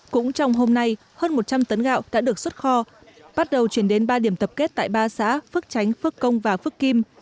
cũng trong hôm nay hơn một trăm linh tấn gạo đã được xuất kho bắt đầu chuyển đến ba điểm tập kết tại ba xã phước chánh phước công và phước kim